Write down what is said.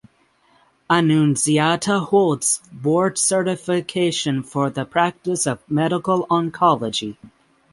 Annunziata holds board certification for the practice of medical oncology.